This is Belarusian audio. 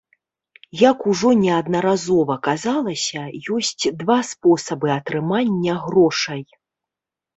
Як ужо неаднаразова казалася, ёсць два спосабы атрымання грошай.